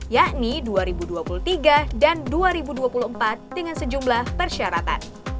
yakni dua ribu dua puluh tiga dan dua ribu dua puluh empat dengan sejumlah persyaratan